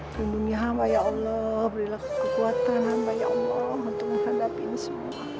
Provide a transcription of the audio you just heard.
bimbingnya ya allah berilah kekuatan ya allah untuk menghadapi ini semua